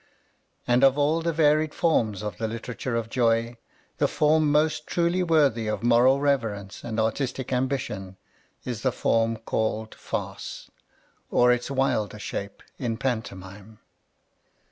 And of all the varied forms of the literature of joy, the form most truly worthy of moral reverence and artistic am bition is the form called "farce" — or its wilder shape in pantomime.